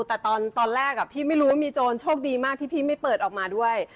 แต่ตอนแรกพี่ไม่รู้ว่ามีโจรโชคดีมากที่พี่ไม่เปิดออกมาด้วย